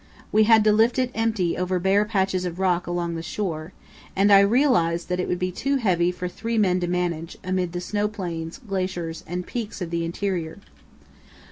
We had to lift it empty over bare patches of rock along the shore, and I realized that it would be too heavy for three men to manage amid the snow plains, glaciers, and peaks of the interior.